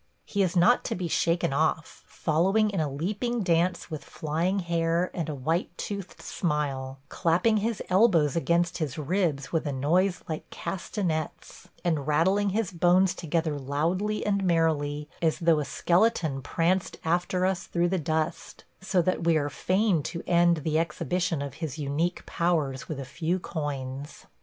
He is not to be shaken off, following in a leaping dance with flying hair and a white toothed smile, clapping his elbows against his ribs with a noise like castanets, and rattling his bones together loudly and merrily as though a skeleton pranced after us through the dust; so that we are fain to end the exhibition of his unique powers with a few coins.